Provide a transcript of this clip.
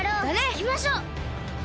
いきましょう！